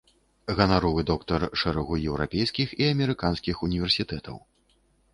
Ганаровы доктар шэрагу еўрапейскіх і амерыканскіх універсітэтаў.